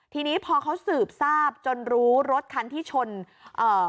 ทีนี้พอเขาสืบทราบจนรู้รถคันที่ชนเอ่อ